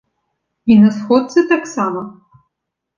І на сходцы таксама.